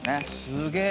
すげえ！